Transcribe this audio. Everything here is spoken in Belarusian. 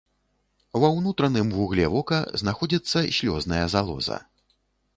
Ва ўнутраным вугле вока знаходзіцца слёзная залоза.